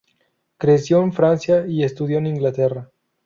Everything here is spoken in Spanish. Creció en Francia y estudió en Inglaterra.